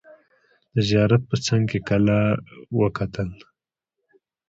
د زیارت په څنګ کې کلا وکتل.